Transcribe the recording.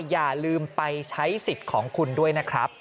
อย่าลืมไปใช้สิทธิ์ของคุณด้วยนะครับ